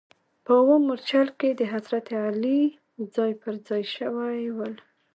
په اووم مورچل کې د حضرت علي ځاې پر ځا ې شوي ول.